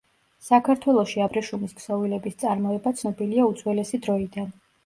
საქართველოში აბრეშუმის ქსოვილების წარმოება ცნობილია უძველესი დროიდან.